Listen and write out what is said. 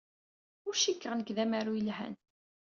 Ur cikkeɣ nekk d amaru yelhan.